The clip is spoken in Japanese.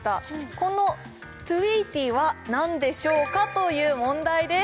このトゥイーティーは何でしょうかという問題です